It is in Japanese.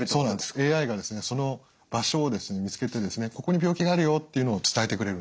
ＡＩがその場所を見つけてここに病気があるよっていうのを伝えてくれるんですね。